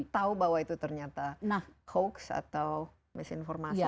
tahu bahwa itu ternyata hoax atau misinformasi